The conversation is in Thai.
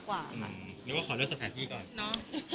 นึกว่าขอเล่าสถานคริก่อน